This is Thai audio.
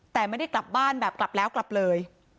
แต่ไม่ได้กลับบ้านแบบกลับแล้วกลับเลย